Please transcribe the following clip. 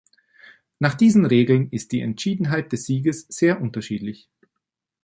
Nach diesen Regeln ist die Entschiedenheit des Sieges sehr unterschiedlich.